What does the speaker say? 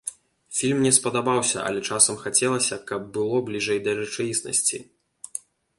Фільм мне спадабаўся, але часам хацелася, каб было бліжэй да рэчаіснасці.